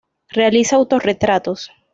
Realiza autorretratos.